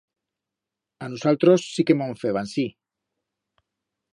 A nusaltros sí que mo'n feban, sí.